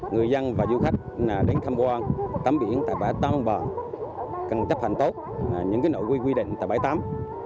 người dân và du khách đến thăm quan tắm biển tại bãi tắm và cần chấp hành tốt những nội quy định tại bãi tắm